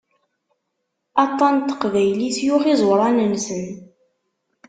Aṭan n teqbaylit yuɣ iẓuran-nsen.